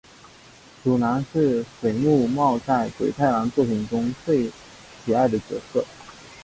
鼠男是水木茂在鬼太郎作品中最喜爱的角色。